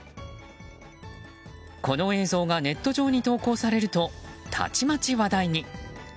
この映像がネット上に投稿されるとたちまち話題に。